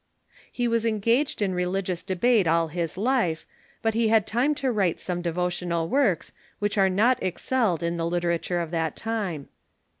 He was engaged in re ligious debate all his life, but he had time to write some devo tional works which are not excelled in the literature of that time.